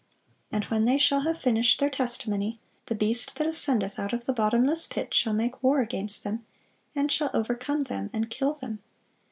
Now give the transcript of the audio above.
And when they shall have finished their testimony, the beast that ascendeth out of the bottomless pit shall make war against them, and shall overcome them, and kill them.